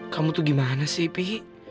kamu tuh gimana sih pihi